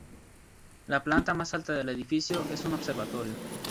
La planta más alta del edificio, es un observatorio.